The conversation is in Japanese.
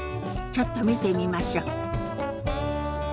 ちょっと見てみましょ。